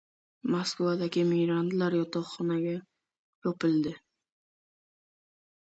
Moskva viloyatidagi migrantlar yotoqxonasi yopildi